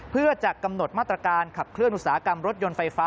เพื่อจะกำหนดมาตรการขับเคลื่อนอุตสาหกรรมรถยนต์ไฟฟ้า